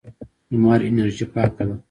لمر انرژي پاکه ده.